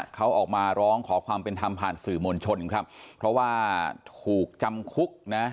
เขาออกมาร้องขอความเป็นธรรมผ่านสื่อมวลชนครับเพราะว่าถูกจำคุกนะ